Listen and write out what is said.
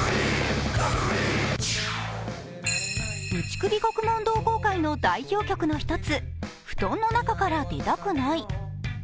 打首獄門同好会の代表曲の一つ、「布団の中から出たくない」。